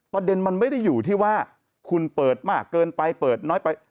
ประเด็นมันไม่ได้อยู่ที่ว่าคุณเปิดมากเกินไปเปิดน้อยไป